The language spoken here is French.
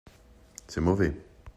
C’est mauvais.